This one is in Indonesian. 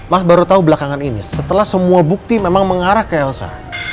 mas baru tahu belakangan ini setelah semua bukti memang mengarah ke elsa